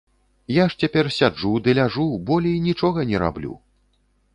Я ж цяпер сяджу ды ляжу, болей нічога не раблю.